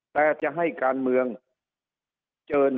แต่จะให้การเมืองเจอหนักกว่านั้น